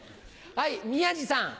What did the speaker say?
はい宮治さん。